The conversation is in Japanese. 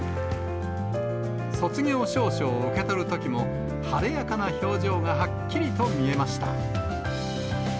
卒業証書を受け取るときも、晴れやかな表情がはっきりと見えました。